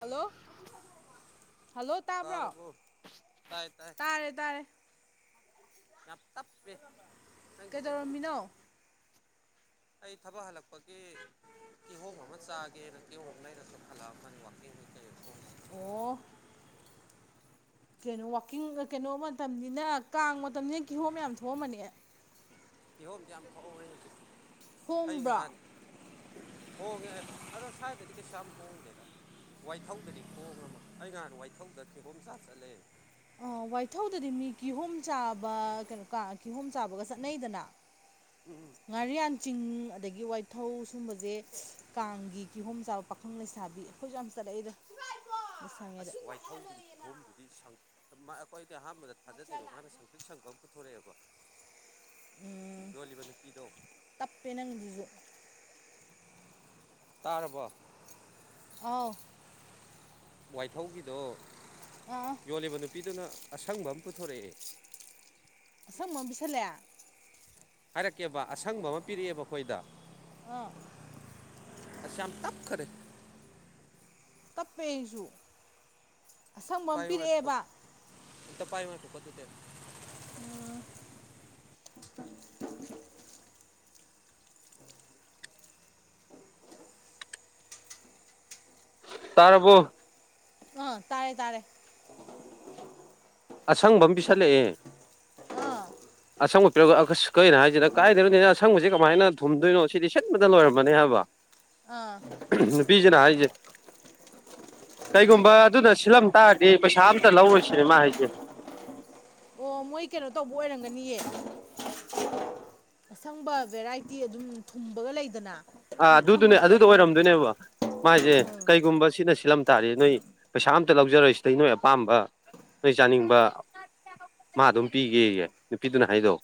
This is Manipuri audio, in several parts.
ꯍꯂꯣ ꯍꯜꯂꯣ ꯇꯥꯕ꯭ꯔꯣ ꯇꯥꯔꯕꯣ ꯇꯥꯏ ꯇꯥꯏ ꯇꯥꯔꯦ ꯇꯥꯔꯦ ꯌꯥꯝ ꯇꯞꯄꯦ ꯅꯪꯒꯤꯁꯦ ꯑꯗꯨꯝ ꯀꯩꯗꯧꯔꯝꯃꯤꯅꯣ ꯑꯩ ꯊꯕꯛ ꯍꯜꯂꯛꯄꯒꯤ ꯀꯍꯣ ꯃꯣꯍꯃ ꯆꯥꯑꯒꯦ ꯅꯣ ꯍ ꯅ ꯐꯀꯤ ꯑꯣ ꯀꯩꯅꯣ ꯋꯥꯋꯥꯛꯀꯤꯡ ꯀꯩꯅꯣ ꯃꯇꯝꯅꯤꯅ ꯀꯥꯡꯕ ꯃꯇꯝꯅꯤꯅ ꯀꯤꯍꯣꯝ ꯌꯥꯝ ꯊꯣꯛꯑꯝꯕꯅꯦ ꯏꯍꯣꯝꯁꯦ ꯌꯥꯝ ꯐꯥꯎꯦꯁꯤ ꯑꯩ ꯍꯣꯡꯕ꯭ꯔꯣ ꯉꯍꯥꯟꯅꯤ ꯍꯣꯡꯒꯦ ꯑꯗꯣ ꯁ꯭ꯋꯥꯏꯗꯗꯤ ꯀꯩꯁꯝ ꯍꯣꯡꯗꯦꯗ ꯋꯥꯏꯊꯧꯗꯗꯤ ꯈꯣꯡꯈ꯭ꯔꯃ ꯑꯩꯍꯥꯟ ꯋꯥꯏꯊꯧꯗ ꯀꯤꯒꯣꯝ ꯆꯥꯛ ꯆꯠꯂꯦꯕ ꯑ ꯋꯥꯏꯊꯧꯗꯗꯤ ꯃꯤ ꯀꯤꯍꯣꯝ ꯆꯥꯕ ꯀꯩꯅꯣ ꯀꯥ ꯀꯤꯍꯣꯝ ꯆꯥꯕꯒ ꯆꯠꯅꯩꯗꯅ ꯉꯥꯔꯤꯌꯥꯟ ꯆꯤꯡ ꯑꯗꯒꯤ ꯒꯤ ꯋꯥꯏꯊꯧ ꯁꯨꯝꯕꯁꯦ ꯀꯥꯡꯒꯤ ꯀꯤꯍꯣꯝ ꯆꯥꯕ ꯄꯥꯈꯪ ꯂꯩꯁꯥꯕꯤ ꯑꯩꯈꯣꯏꯁꯨ ꯌꯥꯝ ꯆꯠꯂꯛꯏꯗ ꯋꯥ ꯑꯁ ꯋꯥꯏꯊꯧꯒꯤ ꯀꯤꯍꯣꯝꯗꯨꯗꯤ ꯑꯩꯈꯣꯏꯗꯤ ꯑꯍꯥꯟꯕꯗ ꯊꯥꯖꯗꯦꯕ ꯃꯥꯅ ꯁꯪꯇ꯭ꯔꯤꯛ ꯁꯪꯐꯝ ꯄꯨꯊꯣꯔꯛꯑꯦꯕꯣ ꯎꯝ ꯇꯞꯄꯦ ꯅꯪꯗꯨꯁꯨ ꯇꯥꯔꯕ ꯑꯥꯎ ꯋꯥꯏꯊꯧꯒꯤꯗꯣ ꯑꯥ ꯌꯣꯜꯂꯤꯕ ꯅꯨꯄꯤꯗꯨꯅ ꯑꯁꯪꯕ ꯑꯃ ꯄꯨꯊꯣꯔꯛꯑꯦ ꯁꯝꯃꯣ ꯄꯁꯥꯂꯌꯥ ꯍꯥꯏꯔꯛꯀꯦꯕ ꯑꯁꯪꯕ ꯑꯃ ꯄꯤꯔꯛꯑꯦꯕ ꯑꯩꯈꯣꯏꯗ ꯑꯥ ꯑꯁꯥ ꯌꯥꯝ ꯇꯞ ꯈꯔꯦ ꯇꯞꯄꯤ ꯑꯩꯖꯨ ꯄꯥꯏ ꯋꯥꯀ ꯑ ꯄꯥꯏ ꯋꯥꯨꯀ ꯇ ꯎ ꯇꯔꯕꯨꯣ ꯑ ꯇꯥꯔꯦ ꯇꯥꯔꯦ ꯑꯁꯪꯕ ꯑꯃ ꯄꯤꯁꯜꯂꯛꯑꯦ ꯑꯥ ꯑꯁꯪꯕ ꯄꯤꯔꯛꯒ ꯀꯩꯅꯣ ꯍꯥꯏꯁꯤꯗ ꯀꯥꯏꯗꯅꯅꯤꯅ ꯑꯁꯪꯕꯕꯁꯤꯦ ꯀꯃꯥꯏꯅ ꯊꯨꯝꯗꯣꯏꯅꯣ ꯁꯤꯗꯤ ꯁꯤꯠꯕꯗ ꯂꯣꯏꯔꯝꯕꯅꯤ ꯍꯥꯏꯕ ꯑꯥ ꯅꯨꯄꯤꯁꯤꯅ ꯍꯥꯏꯁꯦ ꯀꯩꯒꯨꯝꯕ ꯑꯗꯨꯗ ꯁꯤꯜꯂꯝ ꯇꯥꯔꯗꯤ ꯄꯩꯁꯥ ꯑꯝꯇ ꯂꯧꯔꯨꯁꯤꯅꯦ ꯃꯥ ꯍꯥꯏꯁꯦ ꯑꯣ ꯃꯣꯏ ꯀꯩꯅꯣ ꯇꯧꯕ ꯑꯣꯏꯔꯝꯒꯅꯤꯌꯦ ꯑꯁꯪꯕ ꯚꯦꯔꯥꯏꯇꯤ ꯑꯗꯨꯝ ꯊꯨꯝꯕꯒ ꯂꯩꯗꯅ ꯑꯥ ꯃꯤ ꯑꯗꯨꯗꯨꯅꯦ ꯈꯪꯅ ꯑꯗꯨꯗꯣ ꯄꯤꯔꯛꯄ ꯑꯣꯏꯔꯝ ꯑꯣꯏꯔꯝꯗꯣꯏꯅꯦꯕ ꯃꯥꯥꯏꯁꯦ ꯀꯩꯒꯨꯝꯕ ꯁꯤꯅ ꯁꯤꯜꯂꯝ ꯇꯥꯔꯦ ꯅꯣꯏ ꯄꯩꯁꯥ ꯑꯝꯇ ꯂꯧꯖꯔꯣꯏꯁꯤꯗꯩ ꯅꯣꯏ ꯑꯄꯥꯝꯕ ꯅꯣꯏ ꯆꯥꯅꯤꯡꯕ ꯃꯥ ꯑꯗꯨꯝ ꯄꯤꯒꯦꯌꯦ ꯅꯨꯄꯤꯗꯨꯅ ꯍꯥꯏꯗꯣ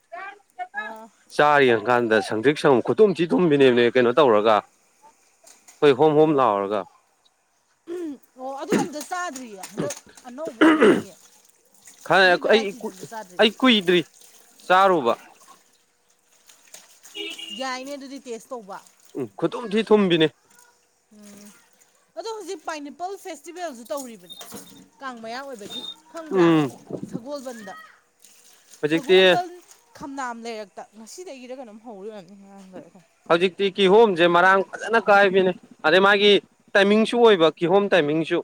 ꯑꯥ ꯆꯥ ꯌꯦꯡ ꯀꯥꯟꯗ ꯁꯪꯗ꯭ꯛ ꯁꯪ ꯈꯨꯇꯨꯝ ꯊꯤ ꯊꯨꯝꯕꯤꯅꯦꯕꯅꯦ ꯀꯩꯅꯣ ꯇꯧꯔꯒ ꯑꯩꯈꯣꯏ ꯍꯣꯝ ꯍꯣꯝ ꯑꯣ ꯂꯥꯎꯔꯒ ꯑꯣ ꯑꯗꯨ ꯑꯝꯇ ꯆꯥꯗ꯭ꯔꯤꯌꯦ ꯍꯟꯗꯛ ꯑꯅꯧꯕ ꯑꯣꯏꯔꯝꯅꯤꯌꯦ ꯈꯪꯂꯩꯔ ꯑꯗꯨꯏ ꯑꯩ ꯚꯦꯔꯥꯏꯇꯤꯗꯣ ꯑꯝꯇ ꯆꯥꯗ꯭ꯔꯤ ꯑꯩ ꯀꯨꯏꯗ꯭ꯔꯤ ꯆꯥꯔꯨꯕ ꯌꯥꯏꯅꯦ ꯑꯗꯨꯗꯤ ꯇꯦꯁ ꯇꯧꯕ ꯎꯝ ꯈꯨꯇꯨꯝ ꯊꯤ ꯊꯨꯝꯕꯤꯅꯤ ꯎꯝ ꯑꯗꯣ ꯍꯧꯖꯤꯛ ꯄꯥꯏꯅꯦꯄꯜ ꯐꯦꯁꯇꯤꯚꯦꯜꯁꯨ ꯇꯧꯔꯤꯕꯅꯦ ꯀꯥꯡ ꯃꯌꯥ ꯑꯣꯏꯕꯒꯤ ꯐꯪꯕ꯭ꯔꯥ ꯎꯝ ꯁꯒꯣꯜꯕꯟꯗ ꯍꯧꯖꯤꯛꯇꯤ ꯁꯒꯣꯜꯕꯟ ꯈꯝꯅꯥꯝ ꯂꯩꯔꯛꯇ ꯉꯁꯤꯗꯒꯤꯔ ꯀꯩꯅꯣꯝ ꯍꯧꯔꯣꯏꯕꯅꯤ ꯉꯥꯡꯈꯔꯒ ꯍꯧꯖꯤꯛꯇꯤ ꯀꯤꯍꯣꯝꯁꯦ ꯃꯔꯥꯡ ꯐꯖꯅ ꯀꯥꯏꯕꯅꯦ ꯑꯗꯩ ꯃꯥꯒꯤ ꯇꯥꯏꯃꯤꯡꯁꯨ ꯑꯣꯏꯕ ꯀꯤꯍꯣꯝ ꯇꯥꯏꯃꯤꯡꯁꯨ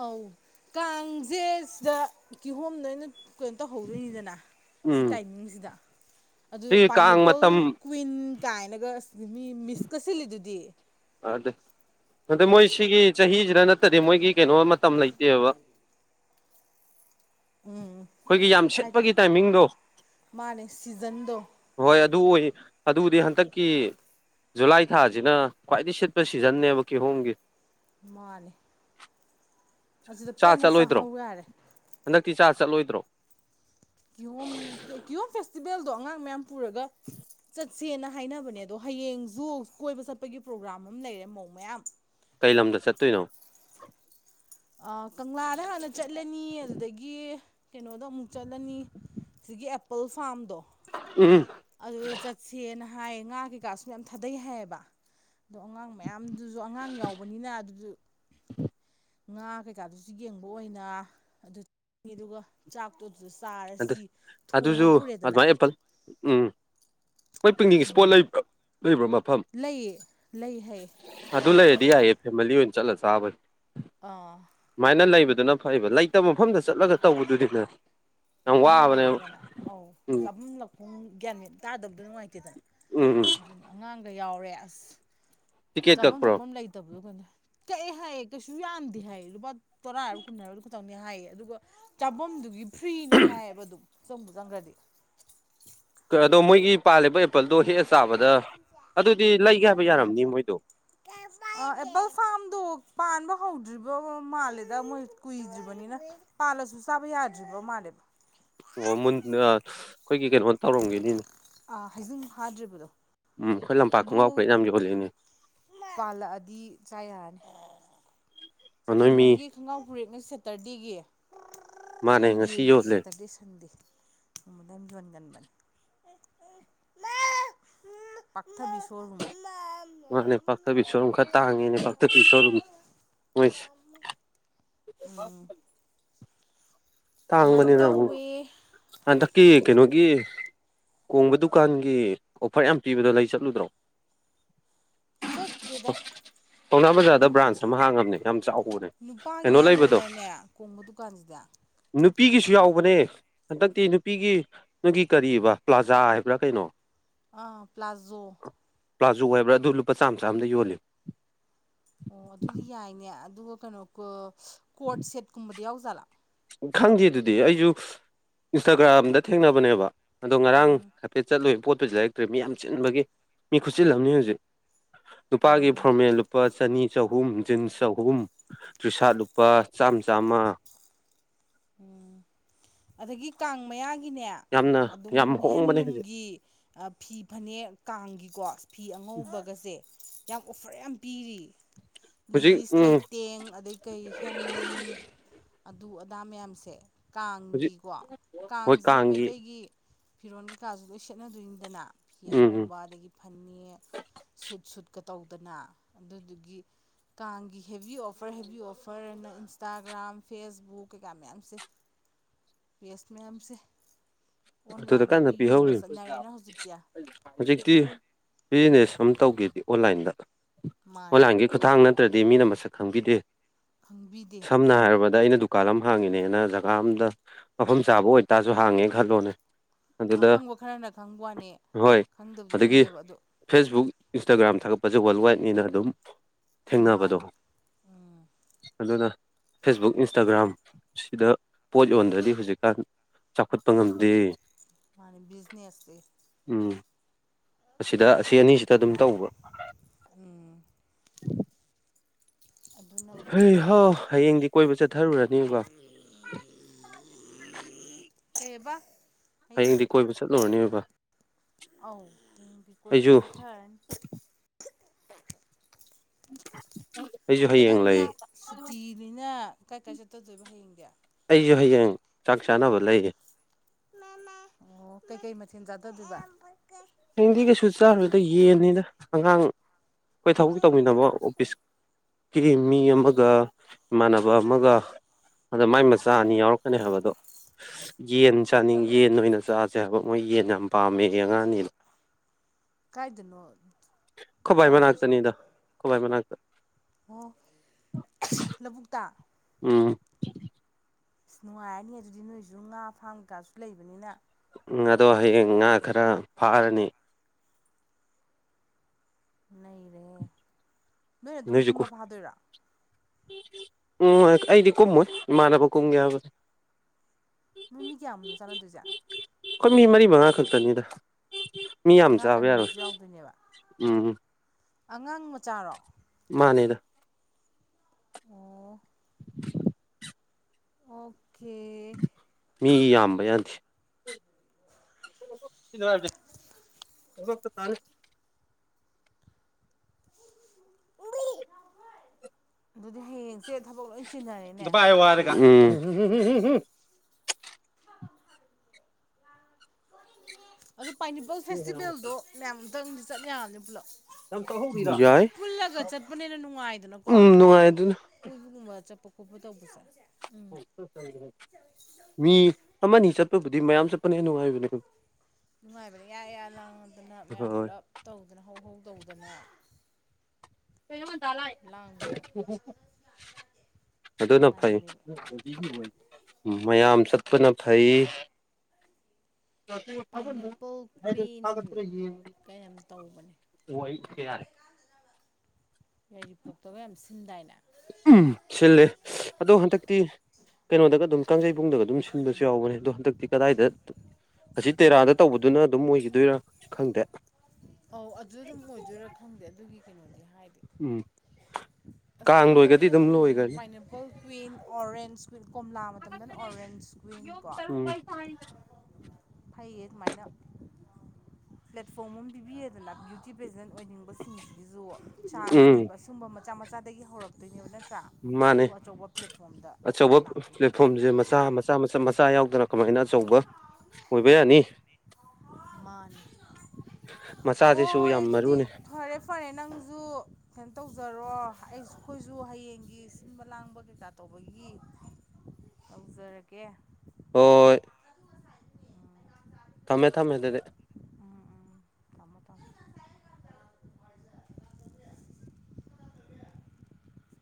ꯑꯧ ꯀꯥꯡꯁꯦ ꯁꯤꯗ ꯀꯤꯍꯣꯝꯗ ꯑꯩꯅ ꯀꯩꯅꯣ ꯇꯧꯍꯧꯗꯣꯏꯅꯤꯗꯅ ꯁꯤ ꯎꯝ ꯇꯥꯏꯃꯤꯡꯁꯤꯗ ꯑꯗꯨ ꯁꯤꯒꯤ ꯀꯥꯡ ꯄꯥꯏꯅꯦꯄꯜ ꯃꯇꯝ ꯀ꯭ꯋꯤꯟ ꯀꯥꯏꯅꯒ ꯑꯁ ꯃꯤ ꯃꯤꯁ ꯀꯁꯤꯜꯂꯤꯗꯨꯗꯤ ꯑꯗ ꯃꯣꯏ ꯁꯤꯒꯤ ꯆꯍꯤꯁꯤꯗ ꯅꯠꯇꯗꯤ ꯃꯣꯏꯒꯤ ꯀꯩꯅꯣ ꯃꯇꯝ ꯂꯩꯇꯦꯕ ꯎꯝ ꯑꯩꯈꯣꯏꯒꯤ ꯌꯥꯝ ꯍꯥꯏꯗꯤ ꯁꯤꯠꯄꯒꯤ ꯇꯥꯏꯃꯤꯡꯗꯣ ꯃꯥꯟꯅꯦ ꯁꯤꯖꯟꯗꯣ ꯍꯣꯏ ꯑꯗꯨ ꯑꯣꯏ ꯑꯗꯨꯗꯤ ꯍꯟꯇꯛꯀꯤ ꯖꯨꯂꯥꯏ ꯊꯥꯁꯤꯅ ꯈ꯭ꯋꯥꯏꯗꯩ ꯁꯤꯠꯄ ꯁꯤꯖꯟꯅꯦꯕ ꯀꯤꯍꯣꯝꯒꯤ ꯃꯥꯟꯂꯤ ꯑꯗꯨꯗ ꯆꯥ ꯄꯦꯟꯅ ꯆꯠꯂꯣꯏꯗ꯭ꯔꯣ ꯆꯥꯍꯧ ꯌꯔꯦ ꯍꯟꯗꯛꯇꯤ ꯆꯥ ꯆꯠꯂꯣꯏꯗ꯭ꯔꯣ ꯀꯤꯍꯣꯝ ꯀꯤꯍꯣꯝ ꯐꯦꯁꯇꯤꯚꯦꯜꯗꯣ ꯑꯉꯥꯡ ꯃꯌꯥꯝ ꯄꯨꯔꯒ ꯆꯠ ꯆꯠꯁꯦꯅ ꯍꯥꯏꯅꯕꯅꯦ ꯑꯗꯣ ꯍꯌꯦꯡꯁꯨ ꯀꯣꯏꯕ ꯆꯠꯄꯒꯤ ꯄ꯭ꯔꯣꯒ꯭ꯔꯥꯝ ꯑꯃ ꯂꯩꯔꯦ ꯃꯧ ꯃꯌꯥꯝ ꯀꯩ ꯂꯝꯗ ꯆꯠꯇꯣꯏꯅꯣ ꯑꯥ ꯀꯪꯂꯥꯗ ꯍꯥꯟꯅ ꯆꯠꯂꯅꯤ ꯑꯗꯨꯗꯒꯤ ꯀꯩꯅꯣꯗꯣ ꯑꯃꯨꯛ ꯆꯠꯂꯅꯤ ꯁꯤꯒꯤ ꯑꯦꯄꯜ ꯐꯥꯔꯝꯗꯣ ꯎꯝ ꯑꯗꯨꯗ ꯆꯠꯁꯦꯅ ꯍꯥꯏ ꯉꯥ ꯀꯩꯀꯥꯁꯨ ꯌꯥꯝ ꯊꯥꯗꯩ ꯍꯥꯏꯌꯦꯕ ꯑꯗꯣ ꯑꯉꯥꯡ ꯃꯌꯥꯝꯗꯨꯁꯨ ꯑꯉꯥꯡ ꯌꯥꯎꯕꯅꯤꯅ ꯑꯗꯨꯁꯨ ꯉꯥ ꯀꯩꯀꯥꯗꯨꯁꯨ ꯌꯦꯡꯕ ꯑꯣꯏꯅ ꯑꯗꯨ ꯑꯗꯨꯒ ꯆꯥꯛꯇꯣ ꯑꯗꯨꯗ ꯑꯗꯨ ꯆꯥꯔꯁꯤ ꯊꯣꯡꯉ ꯑꯗꯨꯁꯨ ꯄꯨꯔꯦꯗꯅ ꯑꯗꯨꯃꯥꯏꯅ ꯑꯦꯄꯜ ꯎꯝ ꯃꯣꯏ ꯄꯤꯛꯅꯤꯛ ꯏꯁꯄꯣꯠ ꯎꯝ ꯂꯩꯕ꯭ꯔꫭ ꯃꯐꯝ ꯂꯩꯌꯦ ꯂꯩ ꯍꯥꯏꯌꯦ ꯑꯗꯨ ꯂꯩꯔꯗꯤ ꯌꯥꯏꯌꯦ ꯐꯦꯃꯤꯂꯤ ꯑꯣꯏꯅ ꯆꯠꯂ ꯆꯥꯕꯩ ꯑꯥ‌ ꯁꯨꯃꯥꯏꯅ ꯂꯩꯕꯗꯨꯅ ꯐꯩꯕ ꯂꯩꯇꯕ ꯃꯐꯝꯗ ꯆꯠꯂꯒ ꯇꯧꯕꯗꯨꯗꯤꯅꯦ ꯌꯥꯝ ꯋꯥꯕꯅꯦꯕ ꯅꯨꯡꯉꯥꯏꯇꯦꯗꯅ ꯑꯧ ꯎꯝ ꯆꯥꯐꯝ ꯂꯛꯐꯝ ꯒ꯭ꯌꯥꯟ ꯃ‌ꯦꯟ ꯇꯥꯗꯕꯗꫭ ꯅꯨꯡꯉꯥꯏꯇꯦꯗꯅ ꯎꯝ ꯎꯝ ꯑꯗꯨꯅꯤ ꯑꯉꯥꯡꯒ ꯌꯥꯎꯔꯦ ꯑꯁ ꯇꯤꯀꯦꯠ ꯆꯥꯐꯝ ꯀꯛꯄ꯭ꯔꯣ ꯊꯛꯐꯝ ꯂꯩꯇꯕꯗꯣ ꯀꯩꯅꯣ ꯀꯛꯑꯦ ꯍꯥꯏꯌꯦ ꯀꯩꯁꯨ ꯌꯥꯝꯗꯦ ꯍꯥꯏꯌꯦ ꯂꯨꯄꯥ ꯇꯔꯥ ꯍꯥꯏꯕꯔꯥ ꯀꯨꯟ ꯍꯥꯏꯕꯔꯥ ꯇꯝꯃꯤ ꯍꯥꯏꯌꯦ ꯑꯗꯨꯒ ꯆꯥꯐꯝꯗꯨꯒꯤ ꯐ꯭ꯔꯤꯅꯦ ꯍꯥꯏꯌꯦꯕ ꯑꯗꯨꯝ ꯆꯪꯕꯨ ꯆꯪꯈ꯭ꯔꯗꯤ ꯑꯗꯣ ꯃꯣꯏꯒꯤ ꯄꯥꯜꯂꯤꯕ ꯑꯦꯄꯜꯗꯣ ꯍꯦꯛ ꯆꯥꯕꯗ ꯑꯗꯨꯗꯤ ꯂꯩꯒꯦ ꯍꯥꯏꯕ ꯌꯥꯔꯝꯅꯤ ꯃꯣꯏꯗꯣ ꯑ ꯑꯦꯄꯜ ꯐꯥꯔꯝꯗꯣ ꯄꯥꯟꯕ ꯍꯧꯗ꯭ꯔꯤꯕ ꯃꯥꯜꯂꯤꯗ ꯃꯣꯏ ꯀꯨꯏꯗ꯭ꯔꯤꯕꯅꯤꯅ ꯄꯥꯂꯁꯨ ꯆꯕꯥ ꯌꯥꯗ꯭ꯔꯤꯕ ꯃꯥꯟꯂ‌ꯦꯕ ꯑꯣ ꯃꯨꯟ ꯑꯩꯈꯣꯏꯒꯤ ꯀꯩꯅꯣ ꯇꯧꯔꯝꯒꯦꯅꯤꯅꯦ ꯑꯥ ꯍꯩꯖꯤꯡ ꯐꯥ ꯎꯝ ꯑꯩꯈꯣꯏ ꯂꯝꯄꯥꯛ ꯈꯣꯡꯒꯥꯎ ꯐꯨꯔꯤꯠ ꯌꯥꯝ ꯌꫭꯟꯂꯤꯅ‌ꯦ ꯄꯥꯜꯂꯛꯑꯗꯤ ꯆꯥꯌꯥꯔꯅꯤ ꯅꯣꯏ ꯁꯦꯀꯦꯟ ꯃꯤ ꯍꯦꯟꯒꯤ ꯈꯣꯡꯒ꯭ꯔꯥꯎ ꯐꯨꯔꯤꯛꯅ ꯁꯦꯇꯔꯗꯦꯒꯤ ꯃꯥꯅꯦ ꯁꯟꯗꯦ ꯉꯁꯤ ꯌꯣꯜꯂꯦ ꯁꯦꯇꯔꯗꯦ ꯁꯟꯗꯦ ꯒꯨꯝꯕꯗ [unintelligible] ꯌꯥꯝ ꯌꯣꯟꯒꯟꯕꯅꯤ ꯄꯥꯛꯊꯕꯤꯁꯣꯔꯨꯝ ꯃꯥꯅꯦ ꯄꯥꯛꯊꯕꯤ ꯁꯣꯔꯨꯝ ꯈꯔ ꯇꯥꯡꯉꯦꯅꯦꯀꯣ ꯄꯥꯛꯊꯕꯤ ꯁꯣꯔꯨꯝ ꯃꯣꯏꯁꯦ ꯎꯝ ꯁꯨꯃꯥꯏꯅ ꯇꯥꯡꯕꯅꯤꯅ ꯑꯃꯨꯛ ꯇꯧꯋꯦ ꯍꯟꯗꯛꯀꯤ ꯀꯩꯅꯣꯒꯤ ꯀꯣꯡꯕ ꯗꯨꯀꯥꯟꯒꯤ ꯑꯣꯐꯔ ꯌꯥꯝ ꯄꯤꯕꯗꯣ ꯂꯩ ꯆꯠꯂꯨꯗ꯭ꯔꯣ ꯆꯠꯇꯦꯗ ꯄꯥꯎꯅꯥ ꯕꯖꯥꯔꯗ ꯅꯨꯞ ꯕ꯭ꯔꯥꯟꯁ ꯑꯃ ꯍꯥꯡꯉꯝꯅꯦ ꯌꯥꯝ ꯆꯥꯎꯕꯅꯦ ꯅꯨꯄꯥꯒꯤꯅ ꯀꯩꯅꯣ ꯑꯌꯥꯝ ꯂꯩꯕꯗꯣ ꯑꯣꯏꯗꯥꯏꯅꯦ ꯀꯣꯡꯕ ꯗꯨꯀꯥꯟꯁꯤꯗ ꯅꯨꯄꯤꯒꯤꯁꯨ ꯌꯥꯎꯕꯅꯦ ꯍꯟꯗꯛꯇꯤ ꯅꯨꯄꯤꯒꯤ ꯅꫭꯏꯒꯤ ꯀꯔꯤꯕ ꯄ꯭ꯂꯥꯖꯥ ꯍꯥꯏꯕ꯭ꯔꯥ ꯀꯩꯅꯣ ꯑꯥ ꯄ꯭ꯂꯖꯣ ꯄ꯭ꯂꯥꯖꯣ ꯍꯥꯏꯕ꯭ꯔꯥ ꯑꯗꯨ ꯂꯨꯄꯥ ꯆꯥꯝ ꯆꯥꯝꯗ ꯌꯣꯜꯂꯤ ꯑꯣ ꯑꯗꯨꯗꯤ ꯌꯥꯏꯅꯦ ꯑꯗꯨꯒ ꯀꯩꯅꯣ ꯀꯣꯔꯠ ꯁꯦꯠꯀꯨꯝꯕꯗꯤ ꯌꯥꯎꯖꯥꯠꯂꯥ ꯈꯪꯗꯦ ꯑꯗꯨꯗꯤ ꯑꯩꯁꯨ ꯏꯟꯁꯇꯥꯒ꯭ꯔꯥꯝꯗ ꯊꯦꯡꯅꯕꯅꯦꯕ ꯑꯗꯣ ꯉꯔꯥꯡ ꯎꯝ ꯍꯥꯏꯐꯦꯠ ꯆꯠꯂꯨꯏ ꯄꯣꯠꯄꯨꯗꯤ ꯂꯩꯔꯛꯇ꯭ꯔꯦ ꯃꯤ ꯌꯥꯝ ꯆꯤꯟꯕꯒꯤ ꯃꯤ ꯈꯨꯠꯆꯤꯜꯑꯝꯅꯤ ꯍꯧꯖꯤꯛ ꯅꯨꯄꯥꯒꯤ ꯎꯝ ꯐꯣꯔꯃꯦꯟ ꯂꯨꯄꯥ ꯆꯅꯤ ꯆꯥꯍꯨ ꯑꯍꯨꯝ ꯖꯤꯟ ꯆꯥꯍꯨꯝ ꯇ꯭ꯔꯤꯁꯥꯠ ꯂꯨꯄꯥ ꯆꯥꯝꯃ ꯆꯥꯝꯃ ꯎꯝ ꯑꯗꯒꯤ ꯀꯥꯡ ꯃꯌꯥꯒꯤꯅꯦ ꯌꯥꯝꯅ ꯑꯗꯨꯝ ꯌꯥꯝ ꯍꯣꯡꯕꯅꯦ ꯍꯧꯖꯤꯛ ꯍꯦꯟꯂꯨꯝꯒꯤ ꯐꯤ ꯐꯅꯦꯛ ꯀꯥꯡꯒꯤꯀꯣ ꯐꯤ ꯑꯉꯧꯕꯒꯁꯦ ꯌꯥꯝ ꯑꯣꯐꯔ ꯌꯥꯝ ꯄꯤꯔꯤ [inaudible] ꯂꯤꯂꯤꯁ ꯎꯝ ꯂꯩꯇꯦꯡ ꯑꯗꯩ ꯀꯔꯤ ꯍꯦꯟꯂꯨꯝ ꯑꯗꯨ ꯑꯗꯥ ꯃꯌꯥꯝꯁꯦ ꯍꯧꯖꯤꯛ ꯀꯥꯡꯒꯤꯀꯣ ꯍꯣꯏ ꯀꯥꯡꯁꯤ ꯀꯥꯡꯒꯤ ꯃꯩꯇꯩꯒꯤ ꯐꯤꯔꯣꯜ ꯀꯩꯀꯥꯁꯨ ꯂꯣꯏ ꯁꯦꯠꯅꯗꯣꯏꯅꯤꯗꯅ ꯐꯤ ꯎꯝ ꯎꯝ ꯑꯉꯧꯕ ꯑꯗꯒꯤ ꯐꯅꯦꯛ ꯁꯨꯠ ꯁꯨꯠꯀ ꯇꯧꯗꯅ ꯑꯗꯨꯗꯨꯒꯤ ꯀꯥꯡꯒꯤ ꯍꯦꯕꯤ ꯑꯣꯐꯔ ꯍꯦꯕꯤ ꯑꯣꯐꯔ ꯍꯥꯏꯅ ꯏꯟꯁꯇꯥꯒ꯭ꯔꯥꯝ ꯐꯦꯁꯕꯨꯛ ꯀꯩꯀꯥ ꯃꯌꯥꯝꯁꯦ ꯄꯦꯁ ꯃꯌꯥꯝꯁꯦ ꯑꯗꯨꯗ ꯑꯣꯟꯂꯥꯏꯟꯗ ꯀꯟꯅ ꯂꯣꯏ ꯌꯣꯟꯕ ꯄꯤꯍꯧꯔꯤꯅꯩ ꯆꯠꯅꯔꯦꯅ ꯍꯧꯖꯤꯛꯇꯤ ꯍꯧꯖꯤꯛꯇꯤ ꯕꯤꯖꯤꯅꯦꯁ ꯑ ꯇꯧꯒꯦꯗꯤ ꯑꯣꯟꯂꯥꯏꯟꯗ ꯃꯥꯅꯦ ꯑꯣꯟꯂꯥꯏꯟꯒꯤ ꯈꯨꯊꯥꯡ ꯅꯠꯇ꯭ꯔꯗꯤ ꯃꯤꯅ ꯃꯁꯛ ꯈꯪꯕꯤꯗꯦ ꯈꯪꯕꯤꯗꯦ ꯁꯝꯅ ꯍꯥꯏꯔꯕꯗ ꯑꯩꯅ ꯗꯨꯀꯥꯟ ꯑꯃ ꯍꯥꯡꯉꯤꯅꯦꯅ ꯖꯒꯥ ꯑꯝꯗ ꯃꯐꯝ ꯆꯥꯕ ꯑꯣꯏꯇꯥꯔꯁꯨ ꯍꯥꯡꯉꯦꯅ ꯈꯜꯂꯣꯅꯦ ꯑ ꯑꯗꯨꯗ ꯈꯪꯕ ꯈꯔꯅ ꯈꯪꯕ ꯋꯥꯅꯤ ꯍꯣꯏ ꯈꯪꯗꯕꯗꯤ ꯑꯗꯒꯤ ꯈꯪꯗꯦꯕ ꯑꯗꯣ ꯐꯦꯁꯕꯨꯛ ꯏꯟꯁꯇꯥꯒ꯭ꯔꯥꯝ ꯊꯥꯒꯠꯄꯁꯦ ꯋꯥꯔꯜ ꯋꯥꯏꯠ ꯅꯤꯅ ꯑꯗꯨꯝ ꯊꯦꯡꯅꯕꯗꯣ ꯃꯥꯅꯦ ꯎꯝ ꯑꯗꯨꯅ ꯐꯦꯁꯕꯨꯛ ꯏꯟꯁꯇꯥꯒ꯭ꯔꯥꯝ ꯁꯤꯗ ꯄꯣꯠ ꯌꯣꯟꯗ꯭ꯔꯗꯤ ꯍꯧꯖꯤꯛꯀꯥꯟ ꯆꯥꯎꯈꯠꯄ ꯉꯝꯗꯦ ꯃꯥꯅꯤ ꯕꯤꯖꯤꯅꯦꯁꯁ ꯎꯝ ꯑꯁꯤꯗ ꯑꯁꯤ ꯑꯅꯤꯁꯤꯗ ꯑꯗꯨꯝ ꯇꯧꯕ [unintelligible] ꯑꯗꯨꯅꯕꯨ ꯍꯩ ꯍꯥ ꯐꯔꯦ ꯍꯌꯦꯡꯗꯤ ꯀꯣꯏꯕ ꯆꯠꯊꯔꯨ ꯔꯅꯤꯕ [unintelligible] ꯀꯩꯍꯥꯏꯕ ꯍꯌꯦꯡ ꯍꯌꯦꯡꯗꯤ ꯀꯣꯏꯕ ꯆꯠꯂꯨꯔꯅꯦꯕ ꯑꯥꯎ ꯍꯌꯦꯡꯗꯤ ꯀꯣꯏꯕ ꯑꯩꯁꯨ ꯆꯠꯊꯔꯅꯤ [inaudible] ꯅꯪꯗꯤ ꯂꯩ ꯁꯨꯇꯤꯅꯤꯅ ꯀꯥꯏ ꯀꯥꯏ ꯆꯠꯇꯗꯣꯏꯕ ꯍꯌꯦꯡꯗꯤ ꯑꯩꯁꯨ ꯍꯌꯦꯡ ꯆꯥꯛ ꯆꯥꯅꯕ ꯂꯩꯌꯦ ꯑꯣ ꯀꯩ ꯀꯩ ꯃꯊꯦꯜ ꯆꯊꯥꯗꯨꯏꯕ ꯍꯦꯡꯗꯤ ꯀꯩꯁꯨ ꯆꯥꯔꯨꯨꯔꯗ ꯌꯦꯟꯅꯤꯅ ꯑꯉꯥꯡ ꯑꯩꯈꯣꯏ ꯊꯕꯛ ꯇꯧꯃꯤꯟꯅꯕ ꯑꯣꯐꯤꯁ ꯀꯤ ꯃꯤ ꯑꯃꯒ ꯏꯃꯥꯟꯅꯕ ꯑꯃꯒ ꯑꯗ ꯃꯥꯏ ꯃꯆꯥ ꯑꯅꯤ ꯌꯥꯎꯔꯛꯀꯅꯤ ꯍꯥꯏꯕꯗꯣ ꯌꯦꯟ ꯆꯥꯅꯤꯡ ꯌꯦꯟ ꯑꯣꯏꯅ ꯆꯥ ꯆ ꯍꯥꯏꯕ ꯃꯣꯏ ꯌꯦꯟ ꯌꯥꯝ ꯄꯥꯝꯃꯦꯌꯦ ꯑꯉꯥꯡꯅꯦꯅ ꯀꯥꯏꯗꯅꯣ ꯑꯈꯣꯏ ꯕꯥ ꯆꯥꯔꯨꯗꯣꯏꯁꯤꯅ ꯃꯅꯥꯛꯇꯅꯤꯗ ꯑꯈꯣꯏ ꯕꯥ ꯃꯅꯥꯛꯇ ꯑꯣ ꯂꯧꯕꯨꯛꯇ ꯎꯝ ꯑꯁ ꯅꯨꯡꯉꯥꯏꯔꯅꯤ ꯑꯗꯨꯗꯤ ꯅꯣꯏꯁꯨ ꯉꯥ ꯐꯥꯝ ꯀꯩꯀꯥꯁꯨ ꯂꯩꯕꯅꯤꯅ ꯑꯗꯣ ꯍꯌꯦꯡ ꯉꯥ ꯈꯔ ꯐꯥꯔꯅꯤ ꯂꯩꯔꯦ ꯅꯣꯏ ꯑꯗꯨꯝ ꯅꯣꯏꯁꯨ ꯀꯨꯝꯃ ꯐꯥꯗꯣꯏꯔꯥ ꯎꯝ ꯑꯩꯗꯤ ꯀꯨꯝꯃꯣꯏ ꯏꯃꯥꯟꯅꯕ ꯀꯨꯝꯒꯦ ꯍꯥꯏꯕ ꯅꯣꯏ ꯃꯤ ꯀꯌꯥꯝ ꯃꯨꯛꯅꯣ ꯆꯥꯟꯅꯗꯣꯏꯁꯦ ꯑꯩꯈꯣꯏ ꯃꯤ ꯃꯔꯤ ꯃꯉꯥ ꯈꯛꯇꯅꯤꯗ ꯃꯤ ꯌꯥꯝ ꯑꯉꯥꯡ ꯆꯥꯕ ꯑꯅꯤ ꯌꯥꯔꯣꯏ ꯑꯃꯁꯨ ꯌꯥꯎꯗꯣꯏꯅꯦꯕ ꯎꯝ ꯑꯉꯥꯡ ꯃꯆꯥꯔꯣ ꯃꯥꯅꯦꯗ ꯑꯣ ꯑꯣꯐ ꯀꯦ ꯃꯤ ꯌꯥꯝꯕ ꯌꯥꯗꯦ [unintelligible] ꯗꯤ ꯇꯥꯔꯦ ꯑꯗꯨꯗꯤ ꯍꯌꯦꯡꯁꯦ ꯊꯕꯛ ꯂꯣꯏ ꯏ ꯆꯤꯟꯅꯔꯦꯅꯦ ꯄꯥꯏ ꯋꯥꯔꯀ ꯑꯗꯣ ꯄꯥꯏꯅꯦꯄꯜ ꯐꯦꯁꯇꯤꯚꯦꯜꯗꯣ ꯃꯌꯥꯝ ꯑꯃꯝꯇꯪꯗꯤ ꯆꯠ ꯌꯥꯔꯅꯤ ꯄꯨꯂꯞ ꯌꯥꯏ ꯄꯨꯜꯂꯒ ꯆꯠꯄꯅꯦꯅ ꯅꯨꯡꯉꯥꯏꯗꯅꯀꯣ ꯎꯝ ꯅꯨꯡꯉꯥꯏ ꯑꯗꯨꯅ ꯀꯣꯏꯕꯒꯨꯝꯕ ꯆꯠꯄ ꯈꯣꯠꯄ ꯇꯧꯕꯁꯦ ꯎꯝ ꯃꯤ ꯑꯃꯅꯤ ꯆꯠꯄꯕꯨꯗꯤ ꯃꯌꯥꯝ ꯆꯠꯄꯅꯦꯦ ꯅꯨꯡꯉꯥꯏꯕꯅꯦꯣ ꯅꯨꯡꯉꯥꯏꯕꯗ ꯏꯌꯥ ꯂꯥꯡꯉꯗꯅ ꯃꯌꯥꯝ ꯍꯣꯏ ꯄꯨꯜꯂꯞ ꯇꯧꯗꯅ ꯍꯧ ꯍꯧꯧ ꯇꯧꯗꯅ ꯀꯃꯂ ꯍꯥꯏ ꯂꯥꯡꯕꯗꯣ ꯑꯗꯨꯅ ꯐꯩ ꯅꯨꯡꯉꯥꯏꯕꯅꯦꯕ ꯃꯌꯥꯝ ꯆꯠꯄꯅ ꯐꯩ ꯄꯥꯏꯅꯦꯄꯜ ꯀ꯭ꯋꯤꯟ [unintelligible] ꯑꯣ ꯀꯩꯅꯣꯝ ꯇꯧꯕꯅꯦ ꯑꯩ ꯀꯌꯥ ꯌꯥꯏꯔꯤꯄꯣꯛꯇꯒ ꯌꯥꯝ ꯁꯤꯟꯗꯥꯏꯅꯦ ꯎꯝ ꯁꯤꯜꯂꯤ ꯑꯗꯣ ꯍꯟꯗꯛꯇꯤ ꯀꯩꯅꯣꯗꯒ ꯑꯗꯨꯝ ꯀꯥꯡꯖꯩꯕꯨꯡꯗꯒ ꯑꯗꯨꯝ ꯁꯤꯟꯕꯁꯨ ꯌꯥꯎꯕꯅꯦ ꯑꯗꯣ ꯍꯟꯗꯛꯇꯤ ꯀꯗꯥꯏꯗ ꯑꯁꯤ ꯇꯦꯔꯥꯗ ꯇꯧꯕꯗꯨꯅ ꯑꯗꯨꯝ ꯑꯣꯏꯈꯤꯗꯣꯏꯔꯥ ꯈꯪꯗꯦ ꯑꯧ ꯑꯗꯨ ꯑꯗꯨꯝ ꯑꯣꯏꯗꯣꯏꯔꯥ ꯈꯪꯗꯦ ꯑꯗꯨꯒꯤ ꯀꯩꯅꯣꯗꯤ ꯍꯥꯏꯗꯤ ꯎꯝ [inaudible] ꯑꯁꯇ ꯀꯥꯡ ꯌꯥꯝ ꯂꯣꯏꯒꯗꯤ ꯇꯧꯋꯤꯗ ꯑꯗꯨꯝ ꯂꯣꯏꯈꯔꯦ ꯃꯅꯤꯄꯨꯔꯁꯤ ꯄꯥꯏꯅꯦꯄꯜ ꯀ꯭ꯋꯤꯟ ꯑꯣꯔꯦꯟꯁ ꯀ꯭ꯋꯤꯟ ꯀꯣꯝꯂꯥ ꯃꯇꯝꯗꯅ ꯑꯣꯔꯦꯟꯁ ꯀ꯭ꯋꯤꯟ ꯀꯣ ꯍ ꯐꯩꯌꯦ ꯑꯗꯨꯃꯥꯏꯅ ꯄ꯭ꯂꯦꯠꯐꯣꯝ ꯑꯃ ꯄꯤꯕꯤꯌꯦꯗꯅ ꯕ꯭ꯌꯨꯇꯤ ꯄ꯭ꯔꯦꯖꯦꯟ ꯑꯣꯏꯅꯤꯡꯕ ꯁꯤꯡꯁꯤꯒꯤꯁꯨ ꯎꯝ ꯆꯥꯟꯁꯅꯦꯕ ꯑꯨꯝꯕ ꯃꯆꯥ ꯃꯆꯥꯗꯒꯤ ꯍꯧꯔꯛꯇꯣꯏꯅꯦꯕ ꯅꯠꯇ꯭ꯔꯥ ꯃꯥꯅꯦ ꯑꯗꯨꯒ ꯑꯆꯧꯕ ꯄ꯭ꯂꯦꯠꯐꯣꯝꯗ ꯑꯆꯧꯕ ꯂꯥꯛꯇꯣꯏꯅꯦꯕ ꯄ꯭ꯂꯦꯠꯐꯣꯝꯁꯦ ꯃꯆꯥ ꯃꯆꯥ ꯃꯆꯥ ꯃꯆꯥ ꯌꯥꯎꯗꯅ ꯀꯃꯥꯏꯅ ꯑꯆꯧꯕ ꯑꯣꯏꯕ ꯌꯥꯅꯤ ꯍꯣꯏ ꯃꯥꯅꯤ ꯃꯆꯥꯁꯤꯁꯨ ꯍꯣꯏ ꯌꯥꯝ ꯑꯗꯨꯗꯤ ꯃꯔꯨꯅꯤ ꯐꯔꯦ ꯐꯔꯦ ꯅꯪꯁꯨ ꯀꯩꯅꯣ ꯇꯧꯖꯔꯣ ꯑꯩ ꯑꯩꯈꯣꯏꯁꯨ ꯍꯌꯦꯡꯒꯤ ꯁꯤꯟꯕ ꯂꯥꯡꯕ ꯀꯩꯀꯥ ꯇꯧꯕꯒꯤ ꯇꯧꯖꯔꯒꯦ ꯑꯣ ꯑꯗꯨ ꯉꯁꯥꯏ ꯊꯝꯃꯦ ꯊꯝꯃꯦ ꯑꯗꯨꯗꯤ ꯎꯝ ꯎꯝ ꯊꯃ ꯇ